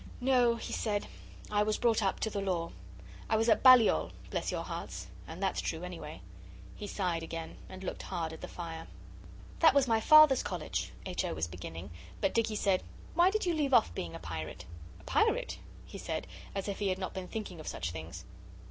'No,' he said, 'I was brought up to the law. I was at Balliol, bless your hearts, and that's true anyway.' He sighed again, and looked hard at the fire. 'That was my Father's college,' H. O. was beginning, but Dicky said 'Why did you leave off being a pirate?' 'A pirate?' he said, as if he had not been thinking of such things.